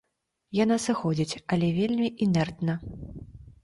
Яна сыходзіць, але вельмі інертна.